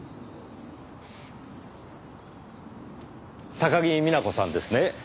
高木美奈子さんですね。